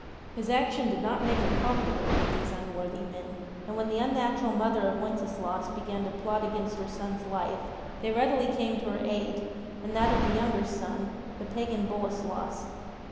Flis action did not make him pop ular with these unworthy men, and when the unnatural mother of Wenceslaus began to plot against her son's life they readily came to her aid and that of the younger son, the pagan Boleslas.